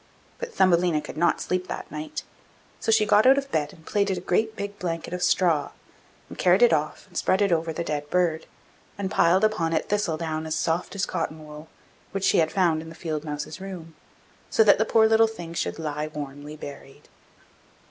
But Thumbelina could not sleep that night; so she got out of bed, and plaited a great big blanket of straw, and carried it off, and spread it over the dead bird, and piled upon it thistle down as soft as cotton wool, which she had found in the field mouse's room, so that the poor little thing should lie warmly buried.